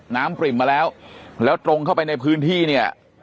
ปริ่มมาแล้วแล้วตรงเข้าไปในพื้นที่เนี่ย